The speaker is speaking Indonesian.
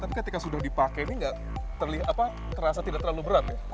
tapi ketika sudah dipakai ini terasa tidak terlalu berat ya